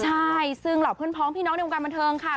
ใช่ซึ่งเหล่าเพื่อนพ้องพี่น้องในวงการบันเทิงค่ะ